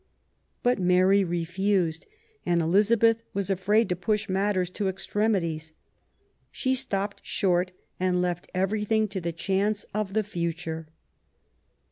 But Mary refused and Elizabeth was afraid to push matters to extremities. She stopped short ELIZABETH AND MARY STUART, 107 and left everything to the chance of the future.